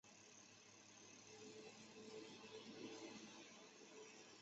三蕊草属是禾本科下的一个属。